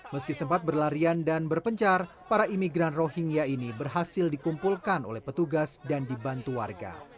meski sempat berlarian dan berpencar para imigran rohingya ini berhasil dikumpulkan oleh petugas dan dibantu warga